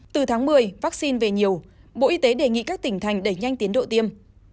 từ tháng một mươi vaccine về nhiều bộ y tế đề nghị các tỉnh thành đẩy nhanh tiến độ tiêm